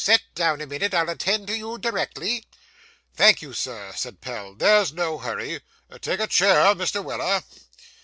'Sit down a minute; I'll attend to you directly.' 'Thank you, Sir,' said Pell, 'there's no hurry. Take a chair, Mr. Weller.